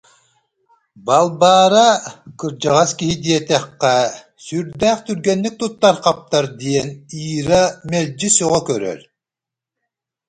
Балбаара, кырдьаҕас киһи диэтэххэ, сүрдээх түргэнник туттар-хаптар диэн Ира мэлдьи сөҕө көрөр